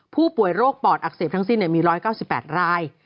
ผู้ป่วยโรคปอดอักเสบทั้งสิ้นมี๑๙๘ราย